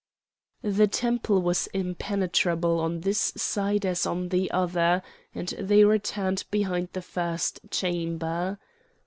The temple was impenetrable on this side as on the other, and they returned behind the first chamber.